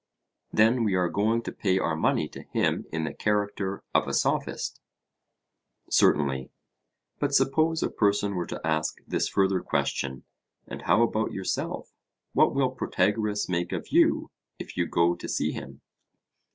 Then we are going to pay our money to him in the character of a Sophist? Certainly. But suppose a person were to ask this further question: And how about yourself? What will Protagoras make of you, if you go to see him?